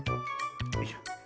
よいしょ。